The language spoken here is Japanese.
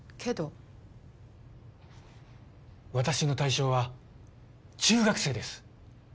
私の対象は中学生です。